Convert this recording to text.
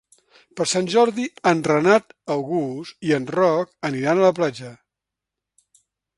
Per Sant Jordi en Renat August i en Roc aniran a la platja.